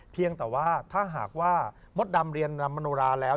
เพียงแต่ว่าถ้าหากว่ามดดำเรียนมโนราแล้ว